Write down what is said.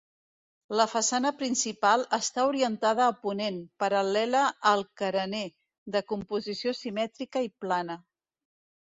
La façana principal està orientada a ponent, paral·lela al carener, de composició simètrica i plana.